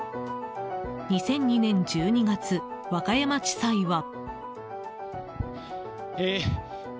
２００２年１２月和歌山地裁は。